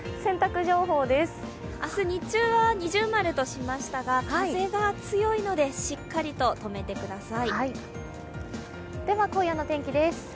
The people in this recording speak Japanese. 明日、日中は二重丸としましたが、風が強いのでしっかりととめてください。